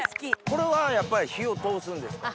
これはやっぱり火を通すんですか？